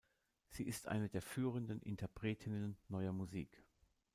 Sie ist eine der führenden Interpretinnen Neuer Musik.